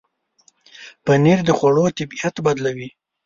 پنېر د خوړو طبعیت بدلوي.